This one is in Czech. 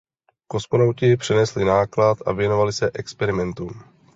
Kosmonauti přenesli náklad a věnovali se experimentům.